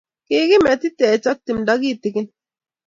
kikimetitech ak timdoo kitikin